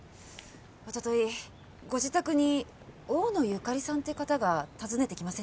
おとといご自宅に大野ゆかりさんって方が訪ねてきませんでしたか？